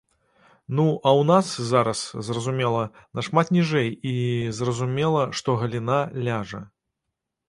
Ну, а ў нас зараз, зразумела, нашмат ніжэй і, зразумела, што галіна ляжа.